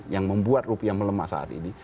yang membuat rupiah melemah saat ini